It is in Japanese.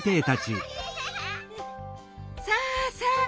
さあさあ